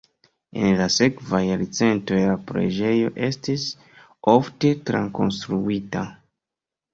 En la sekvaj jarcentoj la preĝejo estis ofte trakonstruita.